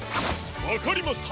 わかりました！